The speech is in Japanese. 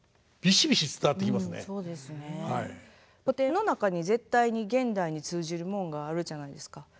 古典の中に絶対に現代に通じるもんがあるじゃないですか。